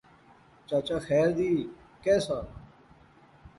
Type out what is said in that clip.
چچا خیر دی، کہہ سا؟